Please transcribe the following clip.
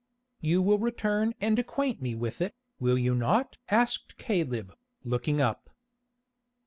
"You will return and acquaint me with it, will you not?" asked Caleb, looking up.